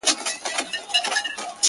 زه د بل له ښاره روانـېـږمـه~